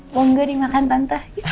kok gak dimakan tante